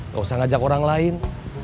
gak usah ngajak orang lain